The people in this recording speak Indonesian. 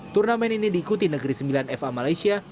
turnamen ini diikuti negeri sembilan fa malaysia